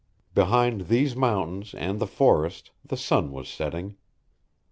Behind these mountains and the forest the sun was setting.